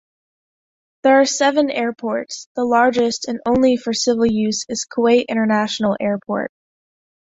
There are seven airports, the largest and only for civil-use is Kuwait International Airport.